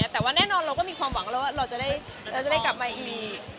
แต่ว่าแน่นอนเราก็มีความหวังแล้วว่าเราจะได้กลับมาอีก